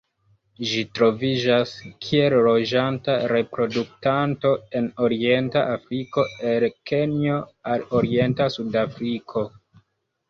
Ĝi troviĝas kiel loĝanta reproduktanto en orienta Afriko el Kenjo al orienta Sudafriko.